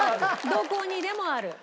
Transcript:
どこにでもある。